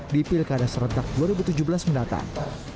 di pilkada serentak dua ribu tujuh belas mendatang